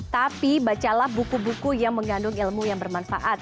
tapi bacalah buku buku yang mengandung ilmu yang bermanfaat